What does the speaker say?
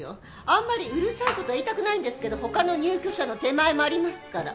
あんまりうるさいことは言いたくないんですけど他の入居者の手前もありますから。